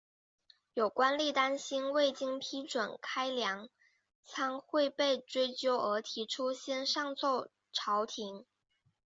有官吏担心未经批准开粮仓会被追究而提出先上奏朝廷。